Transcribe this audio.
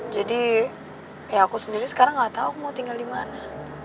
jadi ya aku sendiri sekarang gak tau mau tinggal di mana